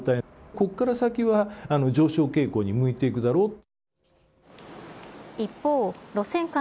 ここから先は上昇傾向に向いていくだろうと。